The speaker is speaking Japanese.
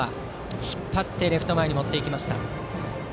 引っ張ってレフト前に持っていきました。